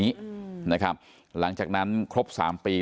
ตลอดทั้งคืนตลอดทั้งคืน